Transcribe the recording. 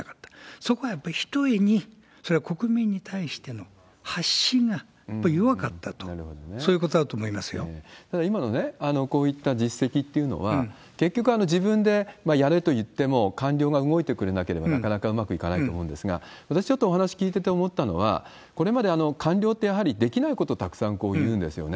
そこがやっぱりひとえに、それは国民に対しての発信がやっぱり弱かったと、そういうことだただ、今のこういった実績っていうのは、結局、自分でやれといっても、官僚が動いてくれなければなかなかうまくいかないと思うんですが、私ちょっとお話聞いてて思ったのは、これまで官僚って、やはりできないことたくさん言うんですよね。